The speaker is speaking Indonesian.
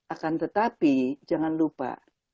akan tetapi jangan lupa